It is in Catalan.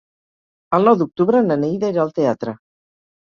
El nou d'octubre na Neida irà al teatre.